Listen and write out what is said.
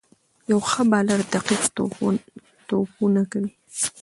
یو ښه بالر دقیق توپونه کوي.